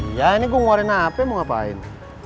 iya ini gue ngeluarin api mau ngapain